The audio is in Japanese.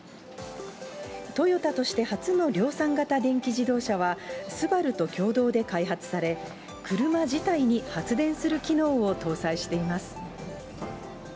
トヨタとして初の量産型電気自動車は、ＳＵＢＡＲＵと共同で開発され、車自体に発電する機能を搭載しています。